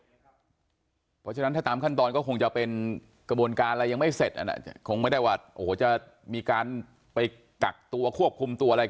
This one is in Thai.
เพราะฉะนั้นถ้าตามขั้นตอนก็คงจะเป็นกระบวนการอะไรยังไม่เสร็จคงไม่ได้ว่าโอ้โหจะมีการไปกักตัวควบคุมตัวอะไร